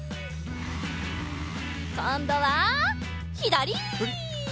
こんどはひだり！